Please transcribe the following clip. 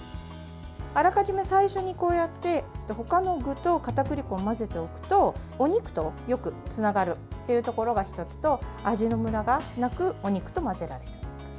あらかじめ最初に、こうやってほかの具とかたくり粉を混ぜておくとお肉とよくつながるというところが１つと味のむらがなくお肉と混ぜられる。